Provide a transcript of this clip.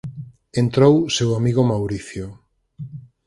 Entrou seu amigo Mauricio.